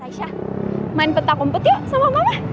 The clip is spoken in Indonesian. raisa main petak umpet yuk sama mama